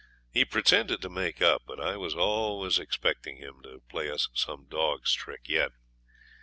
He pretended to make up, but I was always expecting him to play us some dog's trick yet.